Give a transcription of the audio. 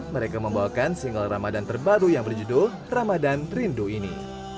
mereka membawakan single ramadan terbaru yang berjudul ramadan rindu ini